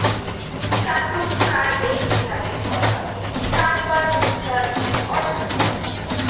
শাহরুখ খান এই বিভাগে সর্বাধিক সাতবার পুরস্কার অর্জন করেন।